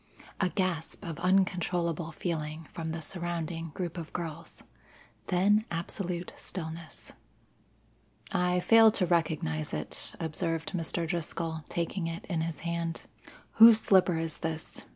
A gasp of uncontrollable feeling from the surrounding group of girls, then absolute stillness. "I fail to recognize it," observed Mr. Driscoll, taking it in his hand. "Whose slipper is this?"